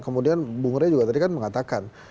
kemudian bung rey juga tadi kan mengatakan